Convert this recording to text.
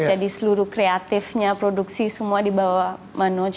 jadi seluruh kreatifnya produksi semua di bawah manoj